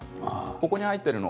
ここに入っているもの